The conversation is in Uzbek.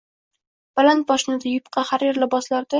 Baland poshnada, yupqa, harir liboslarda.